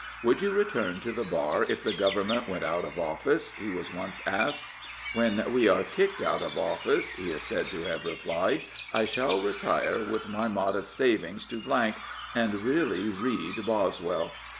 " Would you return to the bar if the Government went out of office? " he was once asked. " When we are kicked out of office/* he is said to have replied, " I shall retire with my modest savings to and really read Boswell."